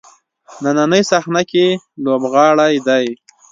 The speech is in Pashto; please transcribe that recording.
نننۍ صحنه کې لوبغاړی دی.